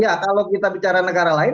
ya kalau kita bicara negara lain